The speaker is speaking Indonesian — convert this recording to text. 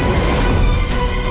aku akan menangkapmu